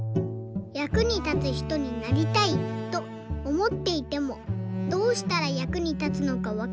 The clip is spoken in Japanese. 「役に立つひとになりたいとおもっていてもどうしたら役に立つのかわかりません。